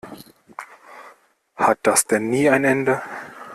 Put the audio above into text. Hat das denn nie ein Ende?